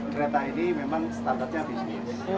kereta ini memang standarnya